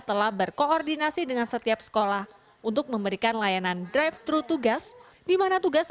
telah berkoordinasi dengan setiap sekolah untuk memberikan layanan drive thru tugas dimana tugas